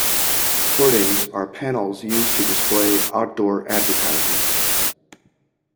Hoardings are panels used to display outdoor advertisements